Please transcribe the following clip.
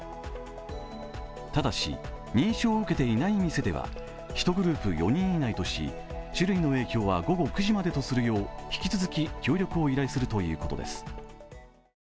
ただし認証を受けていない店では１グループ４人以内とし酒類の提供は午後９時までとするよう引き続き協力を依頼するということです。